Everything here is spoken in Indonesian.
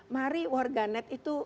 mari warganet itu